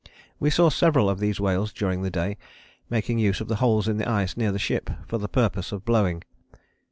We saw several of these whales during the day, making use of the holes in the ice near the ship for the purpose of blowing.